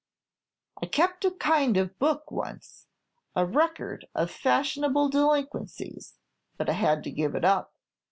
I kept a kind of book once, a record of fashionable delinquencies; but I had to give it up.